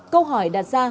câu hỏi đặt ra